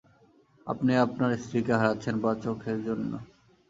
আপনি আপনার স্ত্রীকে হারাচ্ছেন বা চোখের জন্যে।